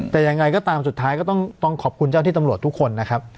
แต่ยังไงก็ตามสุดท้ายก็ต้องขอบคุณเจ้าที่ตำรวจทุกคนนะครับ